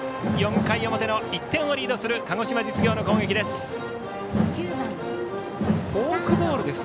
４回の表の１点をリードする鹿児島実業の攻撃です。